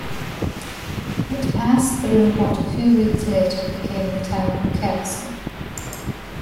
It passed through what a few weeks later became the town of Kelsey.